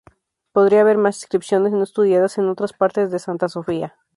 Podría haber más inscripciones no estudiadas en otras partes de Santa Sofía.